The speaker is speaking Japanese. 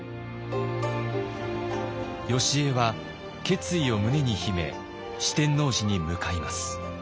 よしえは決意を胸に秘め四天王寺に向かいます。